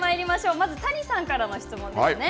まず、谷さんからの質問ですね。